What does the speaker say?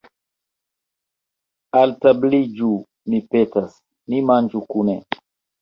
Altabliĝu, mi petas, ni manĝu kune.